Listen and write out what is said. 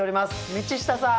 道下さん！